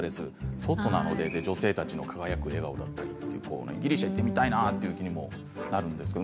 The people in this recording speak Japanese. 外なので女性たちの輝く笑顔だったりギリシャに行ってみたいなと思います。